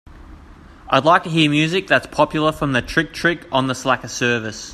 I'd like to hear music that's popular from Trick-trick on the Slacker service